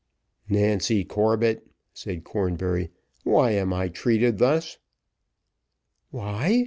"Nancy Corbett," said Cornbury, "why am I treated thus?" "Why?"